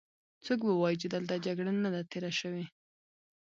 څوک به وايې چې دلته جګړه نه ده تېره شوې.